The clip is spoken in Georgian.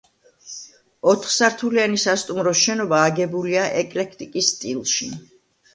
ოთხსართულიანი სასტუმროს შენობა აგებულია ეკლექტიკის სტილში.